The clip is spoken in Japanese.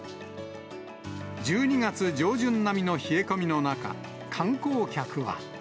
１２月上旬並みの冷え込みの中、観光客は。